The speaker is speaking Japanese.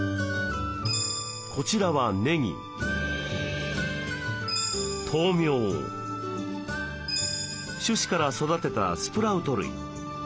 こちらは種子から育てたスプラウト類。